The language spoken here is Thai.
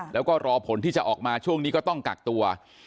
แล้วก็รอผลที่จะออกมาช่วงนี้ก็ต้องกักตัว